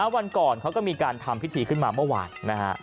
วันก่อนเขาก็มีการทำพิธีขึ้นมาเมื่อวานนะฮะ